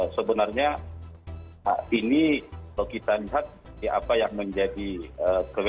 seperti apa pak